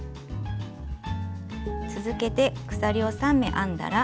続けて鎖を３目編んだら。